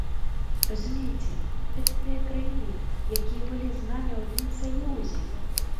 Разумееце, гэта тыя краіны, якія былі з намі ў адным саюзе.